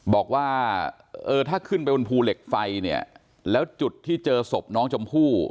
บอกว่าเออถ้าขึ้นไปบนภูเหล็กไฟเนี่ยแล้วจุดที่เจอศพน้องชมพู่